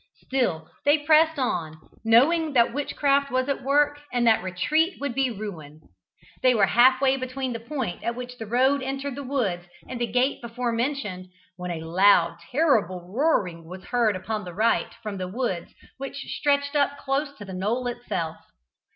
Still they pressed on, knowing that witchcraft was at work, and that retreat would be ruin. They were half way between the point at which the road entered the woods and the gate before mentioned, when a loud and terrible roaring was heard upon the right, from the woods which stretched up close to the knoll itself.